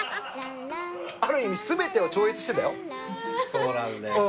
そうなんだよね。